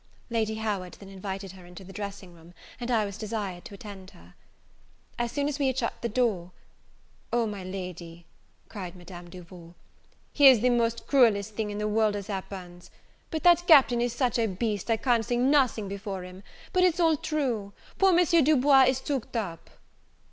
Lady Howard then invited her into the dressing room, and I was desired to attend her. As soon as we had shut the door, "O my Lady," exclaimed Madam Duval, "here's the most cruelest thing in the world has happened! but that Captain is such a beast, I can't say nothing before him, but it's all true! poor M. Du Bois is tooked up!"